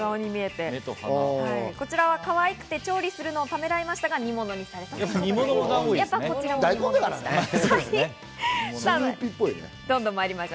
こちらはかわいくて調理するのをためらいましたが、煮物にしました。